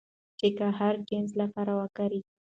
چې که د هر جنس لپاره وکارېږي